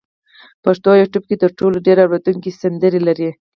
پښتو یوټیوب کې تر ټولو ډېر اورېدونکي سندرې لري.